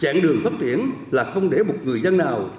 dạng đường phát triển là không để một người dân nào